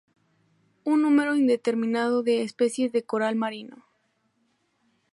Un número indeterminado de especies de coral marino.